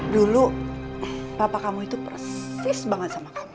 dulu papa kamu itu persis banget sama kamu